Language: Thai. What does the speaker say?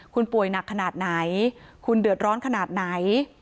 คุณป่วยหนักขนาดไหนคุณเดือดร้อนขนาดไหน